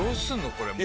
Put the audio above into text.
これもう。